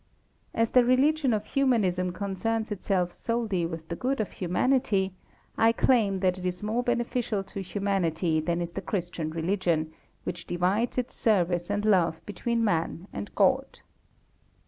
As the religion of Humanism concerns itself solely with the good of humanity, I claim that it is more beneficial to humanity than is the Christian religion, which divides its service and love between Man and God.